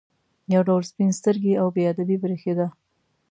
یو ډول سپین سترګي او بې ادبي برېښېده.